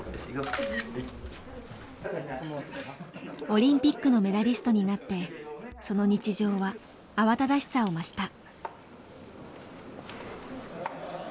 オリンピックのメダリストになってその日常は慌ただしさを増した。